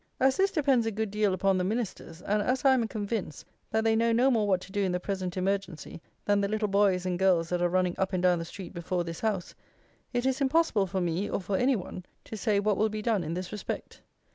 As this depends a good deal upon the Ministers, and as I am convinced, that they know no more what to do in the present emergency than the little boys and girls that are running up and down the street before this house, it is impossible for me, or for any one, to say what will be done in this respect.